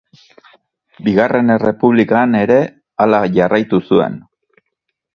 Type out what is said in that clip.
Bigarren Errepublikan ere hala jarraitu zuen.